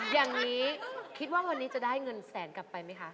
อย่างนี้คิดว่าวันนี้จะได้เงินแสนกลับไปไหมคะ